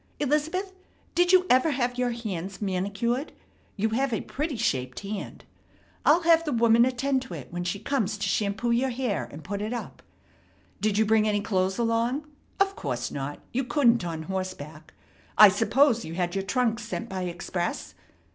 Elizabeth, did you ever have your hands manicured? You have a pretty shaped hand. I'll have the woman attend to it when she comes to shampoo your hair and put it up. Did you bring any clothes along? Of course not. You couldn't on horseback. I suppose you had your trunk sent by express.